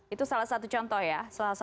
itu salah satu contoh ya